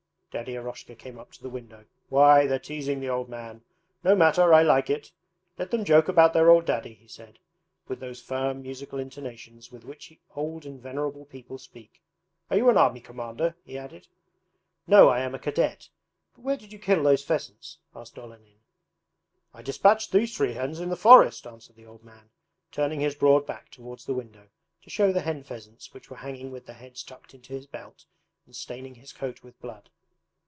Daddy Eroshka came up to the window. 'Why, they're teasing the old man. No matter, I like it. Let them joke about their old daddy,' he said with those firm musical intonations with which old and venerable people speak. 'Are you an army commander?' he added. 'No, I am a cadet. But where did you kill those pheasants?' asked Olenin. 'I dispatched these three hens in the forest,' answered the old man, turning his broad back towards the window to show the hen pheasants which were hanging with their heads tucked into his belt and staining his coat with blood.